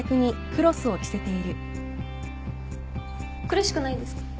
苦しくないですか？